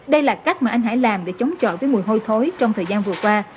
đây là cách mà anh hải làm để chống chọi với mùi hôi thối trong thời gian vừa qua